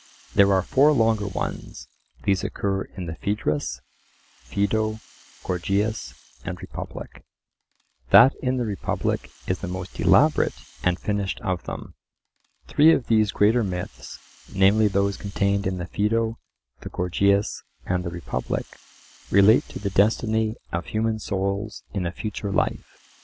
There are four longer ones: these occur in the Phaedrus, Phaedo, Gorgias, and Republic. That in the Republic is the most elaborate and finished of them. Three of these greater myths, namely those contained in the Phaedo, the Gorgias and the Republic, relate to the destiny of human souls in a future life.